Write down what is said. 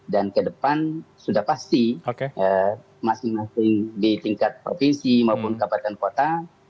dan kedepan sudah pasti masing masing di tingkat provinsi maupun kabar dan kota